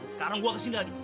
sekarang gue kesini lagi